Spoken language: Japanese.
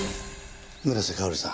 村瀬香織さん